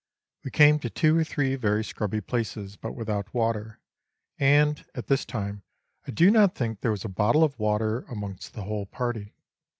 We came to two or three very scrubby places, but without water, and at this time I do not think there was a bottle of water amongst the whole party.